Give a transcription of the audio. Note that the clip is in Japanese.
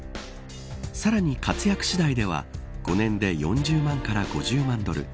さらに、活躍次第では５年で４０万から５０万ドル